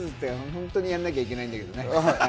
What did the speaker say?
本当にやんなきゃいけないんだけどね。